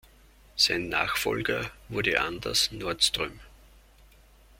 Sein Nachfolger wurde Anders Nordström.